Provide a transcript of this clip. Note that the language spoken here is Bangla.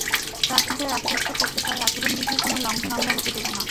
প্রার্থীদের আশ্বস্ত করতে চাই, আচরণবিধির কোনো লঙ্ঘন আমরা হতে দেব না।